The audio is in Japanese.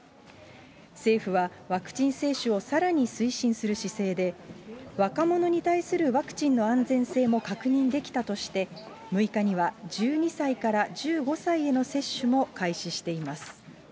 政府はワクチン接種をさらに推進する姿勢で、若者に対するワクチンの安全性も確認できたとして、６日には１２歳から１５歳への接種も開始しています。